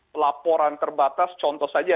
pelaporan terbatas contoh saja